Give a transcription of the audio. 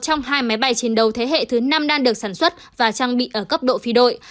trong hai máy bay chiến đấu thế hệ thứ năm đang được sản xuất và trang bị ở cấp độ phi đội